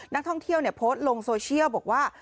นักท่องเที่ยวโพสต์ลงโซเชียลบอกว่า